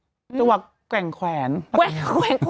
ความรักไม่ใช่ความรับถ้าอย่างงี้แล้วพี่เมียเนอะแล้วภาพหลุมไปได้ไงลูกเมีย